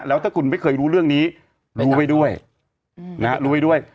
แล้วถ้าคุณไม่เคยรู้เรื่องนี้รู้ไว้ด้วยรู้ไว้ด้วย